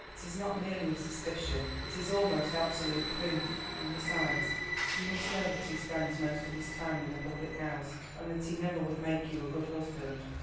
It is not merely a suspicion, it is almost absolute proof; and besides, you must know that he spends most of his time in the public house, and that he never would make you a good husband."